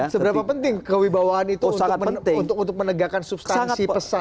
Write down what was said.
seberapa penting kewibawaan itu untuk menegakkan substansi pesan